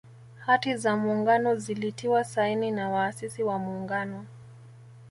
Hati za Muungano zilitiwa saini na waasisi wa Muungano